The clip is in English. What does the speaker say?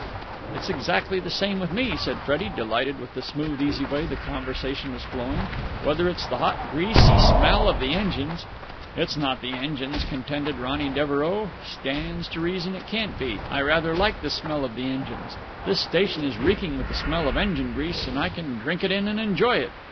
'" "It's exactly the same with me," said Freddie, delighted with the smooth, easy way the conversation was flowing. "Whether it's the hot, greasy smell of the engines...." "It's not the engines," contended Ronny Devereux. "Stands to reason it can't be. I rather like the smell of engines. This station is reeking with the smell of engine grease, and I can drink it in and enjoy it."